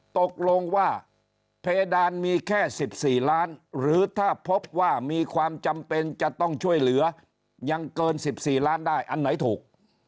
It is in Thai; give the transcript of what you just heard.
ตกลงว่าเพดานมีแค่๑๔ล้านหรือถ้าพบว่ามีความจำเป็นจะต้องช่วยเหลือยังเกิน๑๔ล้านได้อันไหนถูก